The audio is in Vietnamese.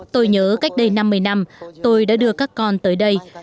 tôi nhớ cách đây năm mươi năm tôi đã đưa các con tới đây